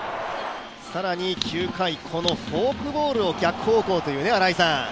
更に９回、このフォークボールを逆方向という、新井さん。